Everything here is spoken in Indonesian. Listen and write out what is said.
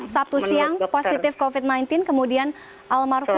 sabtu siang positif covid sembilan belas kemudian almarhum